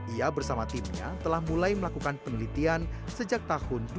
ia bersama timnya telah mulai melakukan penelitian sejak tahun dua ribu lima belas lalu